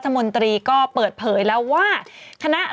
ดื่มน้ำก่อนสักนิดใช่ไหมคะคุณพี่